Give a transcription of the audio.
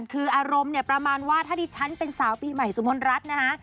คืออารมณ์เนี่ยประมาณว่าถ้าดิฉันเป็นสาวปีใหม่สุมนรัฐนะฮะ